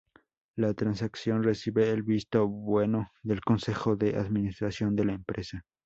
La transacción recibió el visto bueno del Consejo de administración de la empresa.